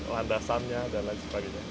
landasan dan lain sebagainya